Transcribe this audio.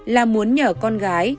là muốn nhờ con gái